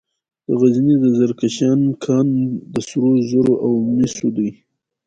د غزني د زرکشان کان د سرو زرو او مسو دی.